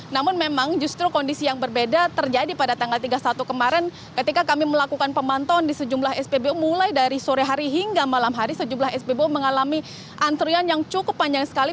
namun memang justru kondisi yang berbeda terjadi pada tanggal tiga puluh satu kemarin ketika kami melakukan pemantauan di sejumlah spbu mulai dari sore hari hingga malam hari sejumlah spbu mengalami antrian yang cukup panjang sekali